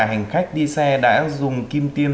hành khách đi xe đã dùng kim tiêm